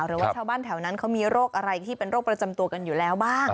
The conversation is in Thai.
หรือว่าชาวบ้านแถวนั้นเขามีโรคอะไรที่เป็นโรคประจำตัวกันอยู่แล้วบ้าง